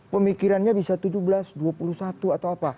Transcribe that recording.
pemikirannya bisa tujuh belas dua puluh satu atau apa